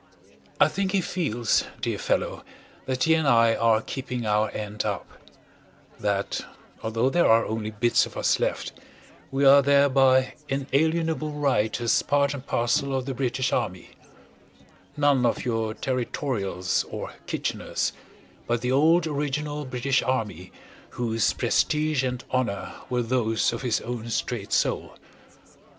I think he feels, dear fellow, that he and I are keeping our end up; that, although there are only bits of us left, we are there by inalienable right as part and parcel of the British Army none of your Territorials or Kitcheners, but the old original British Army whose prestige and honour were those of his own straight soul.